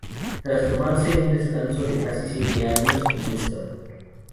Tras tomarse un descanso de casi siete años, Mr.